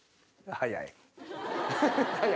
早い。